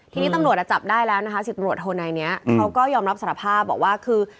ทีนี้ตำรวจจับได้แล้วนะคะ๑๐ตำรวจโทนายนี้เขาก็ยอมรับสารภาพบอกว่าคือ